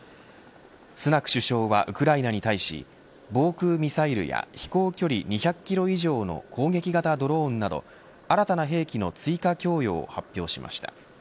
スナク首相はウクライナに対し防空ミサイルや飛行距離２００キロ以上の攻撃型ドローンなど新たな兵器の追加供与を発表しました。